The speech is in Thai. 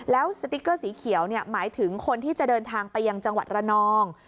แล้วสติ๊กเกอร์สีเขียวหมายถึงคนที่จะเดินทางไปยังจังหวัดระนอง